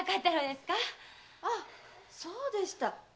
あそうでした。